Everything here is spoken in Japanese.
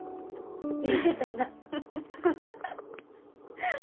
言うてたな。